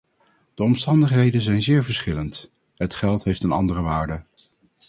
De omstandigheden zijn zeer verschillend: het geld heeft een andere waarde.